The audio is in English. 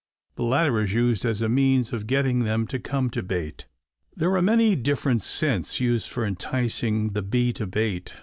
The latter is used as a means of getting them to come to bait. There are many different scents used for enticing the bee to bait.